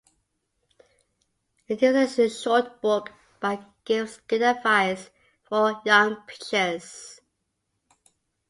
It is a short book that gives good advice for young pitchers.